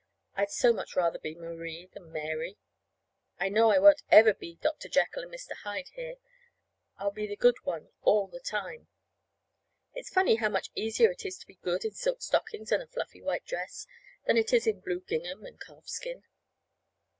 I'd so much rather be Marie than Mary. I know I won't ever be Dr. Jekyll and Mr. Hyde here. I'll be the good one all the time. It's funny how much easier it is to be good in silk stockings and a fluffy white dress than it is in blue gingham and calfskin.